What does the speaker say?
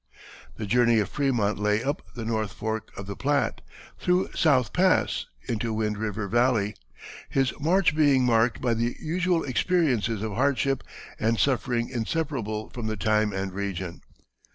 The journey of Frémont lay up the North Fork of the Platte, through South Pass, into Wind River Valley, his march being marked by the usual experiences of hardship and suffering inseparable from the time and region.